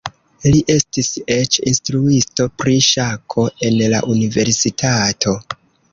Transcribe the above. Li estis eĉ instruisto pri ŝako en la universitato.